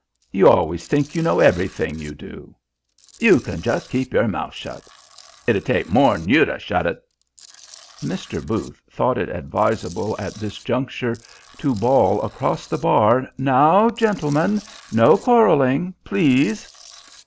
"You always think you know everything, you do." "You can just keep yer mouth shut." "It 'ud take more'n you to shut it." Mr. Booth thought it advisable at this juncture to bawl across the bar: "Now, gentlemen, no quarrelling please."